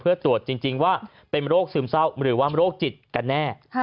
เพื่อตรวจจริงว่าเป็นโรคซึมเศร้าหรือว่าโรคจิตกันแน่